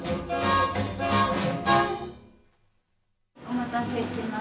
お待たせしました。